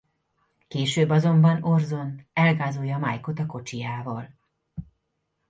Később azonban Orson elgázolja Mike-ot a kocsijával.